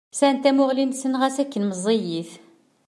Sɛan tamuɣli-nsen ɣas akken meẓẓiyit.